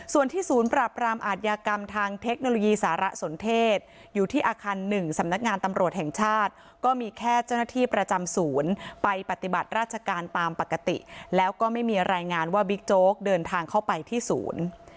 ส่วนที่ศูนย์ปราบรามอาทยากรรมทางเทคโนโลยีสารสนเทศอยู่ที่อาคาร๑สำนักงานตำรวจแห่งชาติก็มีแค่เจ้าหน้าที่ประจำศูนย์ไปปฏิบัติราชการตามปกติแล้วก็ไม่มีรายงานว่าบิ๊กโจ๊กเดินทางเข้าไปที่ศูนย์